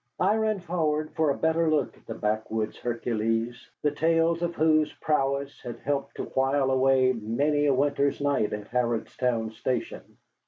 I ran forward for a better look at the backwoods Hercules, the tales of whose prowess had helped to while away many a winter's night in Harrodstown Station.